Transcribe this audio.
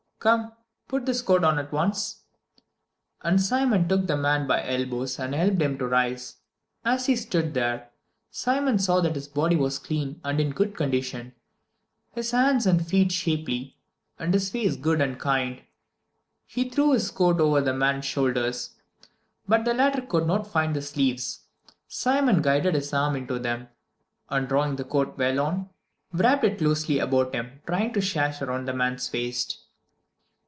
"Come, put this coat on at once!" And Simon took the man by the elbows and helped him to rise. As he stood there, Simon saw that his body was clean and in good condition, his hands and feet shapely, and his face good and kind. He threw his coat over the man's shoulders, but the latter could not find the sleeves. Simon guided his arms into them, and drawing the coat well on, wrapped it closely about him, tying the sash round the man's waist.